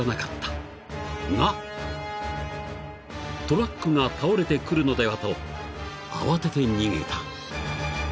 ［トラックが倒れてくるのではと慌てて逃げた］